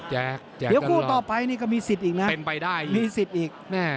เดี๋ยวคู่ต่อไปก็มีสิทธิ์อีกนะ